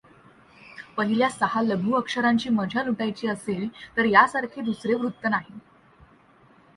पहिल्या सहा लघु अक्षरांची मजा लुटायची असेल तर यासारखे दुसरे वृत्त नाही.